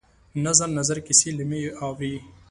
نظر، نظر کسي لېمه یې اورې